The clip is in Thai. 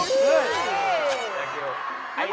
เบเกี่ยว